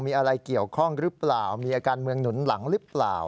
มีอะไรเกี่ยวข้องหรือเปล่ามีอาการเมืองหนุนหลังหรือเปล่า